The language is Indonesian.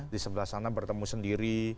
di sebelah sana bertemu sendiri